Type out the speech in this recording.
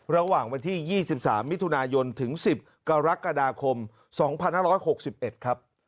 ระหว่างวันที่๒๓มิถุนายนถึง๑๐กรกฎาคม๒๕๖๑ครับ